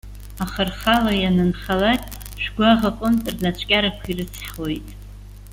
Аха рхала ианынхалак, шәгәаӷ аҟынтә рнаҵәкьарақәа ирыцҳауеит.